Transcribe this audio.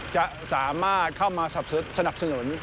จะสามารถเข้ามาสนับสนุน